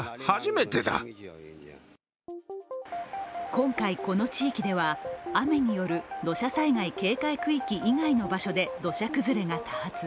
今回この地域では、雨による土砂災害警戒区域以外の場所で土砂崩れが多発。